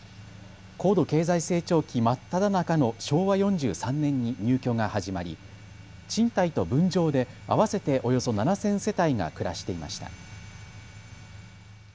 高度経済成長期真っただ中の昭和４３年に入居が始まり、賃貸と分譲で合わせておよそ７０００世帯が暮らしていました。